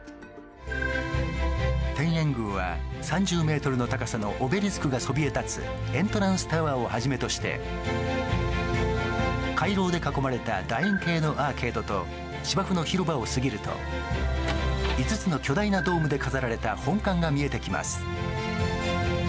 天苑宮は３０メートルの高さのオベリスクがそびえたつ、エントランスタワーをはじめとして、回廊で囲まれた楕円形のアーケードと、芝生の広場を過ぎると、５つの巨大なドームで飾られた本館が見えてきます。